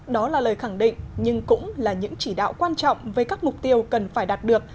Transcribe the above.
đó là lời khẳng định nhưng cũng là những chỉ đạo quan trọng về các mục tiêu cần phải đạt được